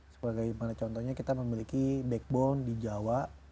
seperti bagaimana contohnya kita memiliki backbone di jawa